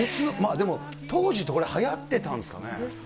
でも、当時ってこれ、はやっですかね。